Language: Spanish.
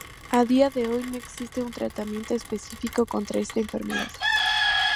A día de hoy, no existe un tratamiento específico contra esta enfermedad.